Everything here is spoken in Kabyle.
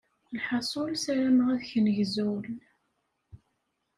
Lḥaṣul, ssarameɣ ad ken-gzun.